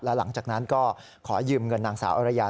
หลังจากนั้นก็ขอยืมเงินนางสาวอรยา